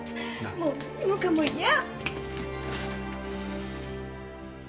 もう何もかも嫌！